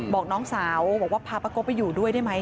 พี่น้องสาวว่าพาป้าก๊อกไปอยู่ด้วยได้ไหม